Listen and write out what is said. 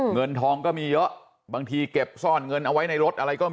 เงินทองก็มีเยอะบางทีเก็บซ่อนเงินเอาไว้ในรถอะไรก็มี